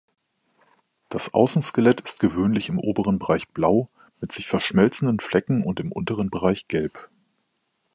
Das Außenskelett ist gewöhnlich im oberen Bereich blau, mit sich verschmelzenden Flecken, und im unteren Bereich gelb.